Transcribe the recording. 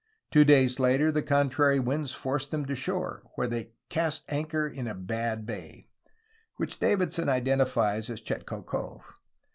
Two days later the contrary winds forced them to shore, where they ^^cast anchor in a bad bay," which Davidson identifies as Chetko Cove.